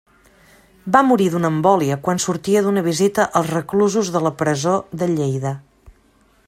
Va morir d'una embòlia quan sortia d'una visita als reclusos de la presó de Lleida.